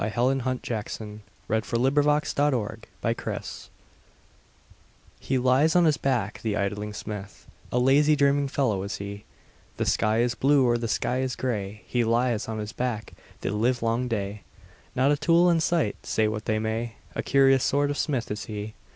Helen Hunt Jackson The Poet's Forge HE lies on his back, the idling smith, A lazy, dreaming fellow is he; The sky is blue, or the sky is gray, He lies on his back the livelong day, Not a tool in sight, say what they may, A curious sort of smith is he.